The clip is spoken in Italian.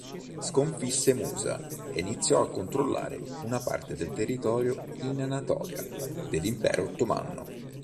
Sconfisse Musa e iniziò a controllare una parte del territorio in Anatolia dell'Impero Ottomano.